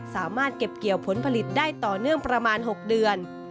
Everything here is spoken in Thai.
สามารถเก็บเกี่ยวผลผลิตได้ต่อเนื่องประมาณ๖เดือน